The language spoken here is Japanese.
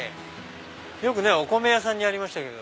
よくお米屋さんにありましたけど。